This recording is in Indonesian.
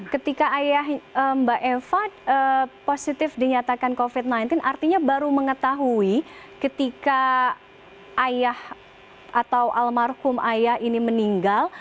ketika ayah mbak eva positif dinyatakan covid sembilan belas artinya baru mengetahui ketika ayah atau almarhum ayah ini meninggal